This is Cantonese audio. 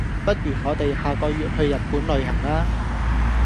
不如我地下個月去日本旅行呀